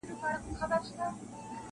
قتلوې سپیني ډېوې مي زه بې وسه درته ګورم-